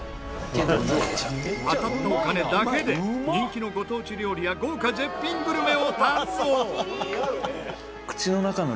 当たったお金だけで人気のご当地料理や豪華絶品グルメを堪能！